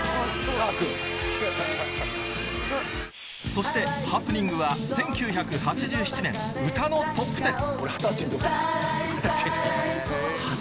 そしてハプニングは１９８７年『歌のトップテン』